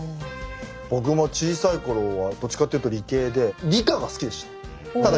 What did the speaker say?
僕も小さい頃はどっちかっていうと理系で理科が好きでした。